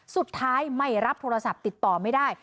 สุดท้ายไม่รับโทรศัพท์ติดต่อไม่ได้